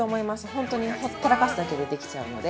ほんとにほったらかすだけでできちゃうので。